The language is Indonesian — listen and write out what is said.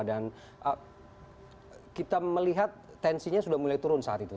dan kita melihat tensinya sudah mulai turun saat itu